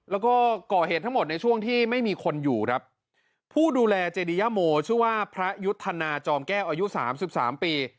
แล้วก็ก่อเหตุทั้งหมดในช่วงที่ไม่มีคนอยู่ครับผู้ดูแลเจดียโมชื่อว่าพระยุทธนาจอมแก้วอายุสามสิบสามปี